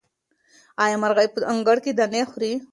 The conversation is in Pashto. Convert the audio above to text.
آیا مرغۍ په انګړ کې دانې خوري؟